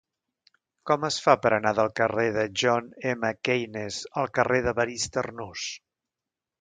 Com es fa per anar del carrer de John M. Keynes al carrer d'Evarist Arnús?